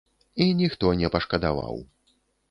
І ніхто не пашкадаваў.